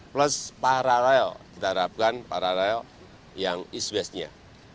plus paralel kita harapkan paralel yang iswesnya